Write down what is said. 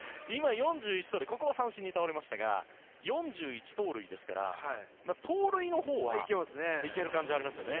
ここは三振に倒れましたが４１盗塁ですから盗塁のほうは行ける感じがありますよね。